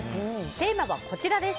テーマはこちらです。